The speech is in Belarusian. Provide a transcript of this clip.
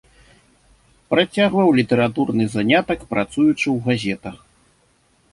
Працягваў літаратурны занятак, працуючы ў газетах.